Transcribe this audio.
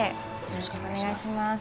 よろしくお願いします